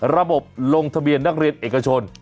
ลงทะเบียนนักเรียนเอกชน